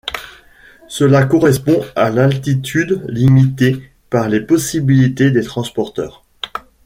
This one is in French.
Cela correspond à l'altitude limitée par les possibilités des transporteurs.